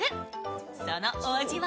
そのお味は？